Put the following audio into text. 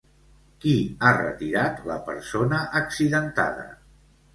Qui ha retirat la persona accidentada?